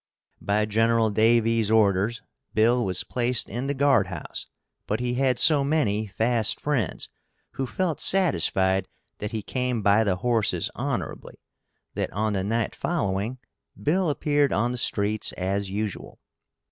By Gen. Daviess' orders, Bill was placed in the guardhouse, but he had so many fast friends, who felt satisfied that he came by the horses honorably, that on the night following, Bill appeared on the streets as usual.